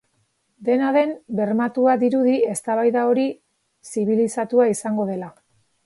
Dena den bermatua dirudi eztabaida hori zibilizatua izango dela.